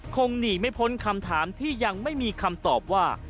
คงหนีไม่พ้นคำถามที่ยังไม่มีคำตอบว่า